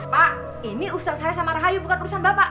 pak ini urusan saya sama rahayu bukan urusan bapak